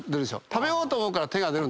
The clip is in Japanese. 食べようと思うから手が出る。